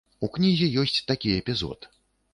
У кнізе ёсць такі эпізод.